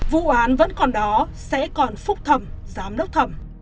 vụ án vẫn còn đó sẽ còn phúc thẩm giám đốc thẩm